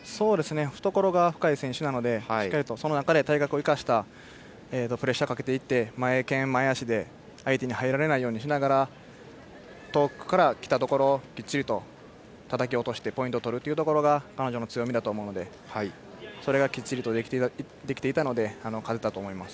懐が深い選手なのでその中で体格を生かしてプレッシャーをかけていって前拳、前足で相手に入られないようにしながら遠くから、来たところをきっちりたたき落としてポイントを取るところが彼女の強みだと思うのでそれがきっちりとできていたので勝てたと思います。